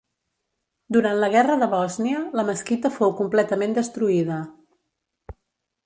Durant la guerra de Bòsnia, la mesquita fou completament destruïda.